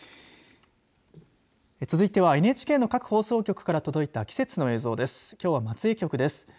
続いてはＮＨＫの各放送局から届いた季節の映像です。